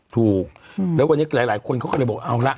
ถูกแล้ววันนี้หลายคนเขาก็เลยบอกเอาละ